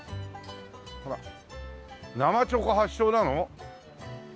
「生チョコ発祥」なの？